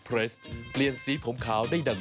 เรสโตเรียพี่ม้าบอก